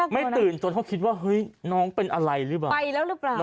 ไม่ตื่นจนเขาคิดว่าเฮ้ยน้องเป็นอะไรหรือเปล่า